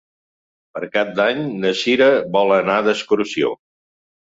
Per Cap d'Any na Cira vol anar d'excursió.